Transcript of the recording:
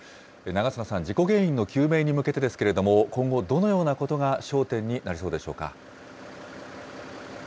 長砂さん、事故原因の究明に向けてですけれども、今後、どのようなことが焦点になりそうでしょうか。